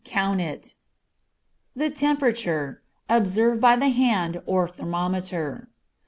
Count it. The temperature. Observe by the hand or thermometer.